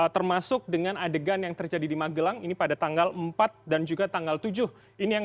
termasuk dengan adegan yang terjadi di magelang ini pada tanggal empat dan juga tanggal tujuh ini yang